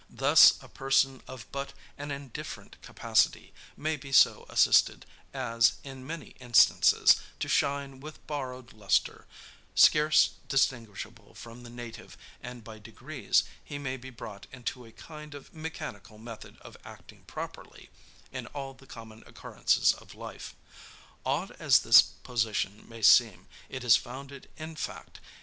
Thus a person of but an indifferent capacity, may be so assisted, as, in many instances, to shine with borrowed lustre, scarce distinguishable from the native, and by degrees he may be brought into a kind of mechanical method of acting properly, in all the common occurrences of life. Odd as this position may seem, it is founded in fact.